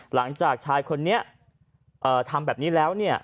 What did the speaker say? หลังจากชายคนนี้ทำแบบนี้แล้วเนี่ย